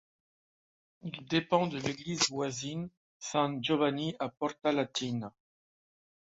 Il dépend de l'église voisine, San Giovanni a Porta Latina.